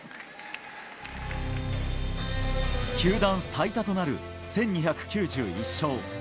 球団最多となる１２９１勝。